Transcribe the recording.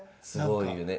すごいよね。